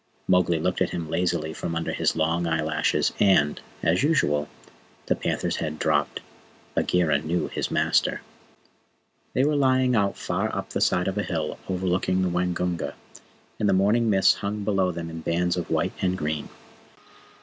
Mowgli looked at him lazily from under his long eyelashes, and, as usual, the panther's head dropped. Bagheera knew his master. They were lying out far up the side of a hill overlooking the Waingunga, and the morning mists hung below them in bands of white and green.